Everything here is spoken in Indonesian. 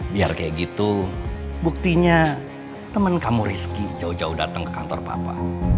biar kayak gitu buktinya temen kamu rizki jauh jauh datang ke kantor papa